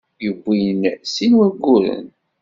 Yewwin sin wagguren.